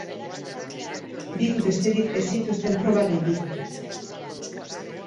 Bik besterik ez zituzten probak gainditu.